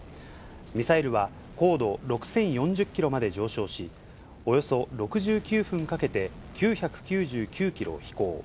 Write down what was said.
ミサイルは高度６０４０キロまで上昇し、およそ６９分かけて９９９キロを飛行。